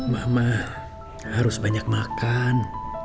mama harus banyak makan